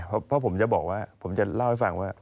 เพราะผมจะบอกว่าผมจะเล่าให้ฟังว่า